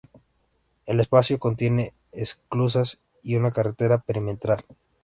El Espacio contiene esclusas y una carretera perimetral.